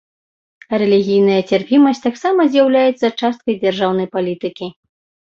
Рэлігійная цярпімасць таксама з'яўляецца часткай дзяржаўнай палітыкі.